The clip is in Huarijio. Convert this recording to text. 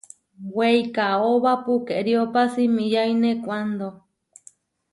Weikaóba pukeriópa simiyáine kuándo.